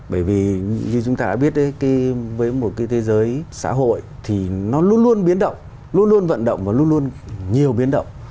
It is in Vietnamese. bởi vì như chúng ta đã biết với một cái thế giới xã hội thì nó luôn luôn biến động luôn luôn vận động và luôn luôn nhiều biến động